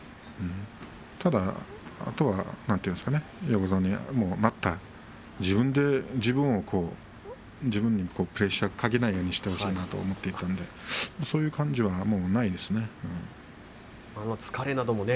あとは横綱になった自分で自分にプレッシャーをかけないようにしてほしいと思っていたのでそういう感じはないですね。